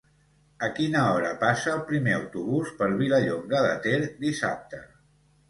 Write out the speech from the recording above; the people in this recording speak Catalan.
A quina hora passa el primer autobús per Vilallonga de Ter dissabte?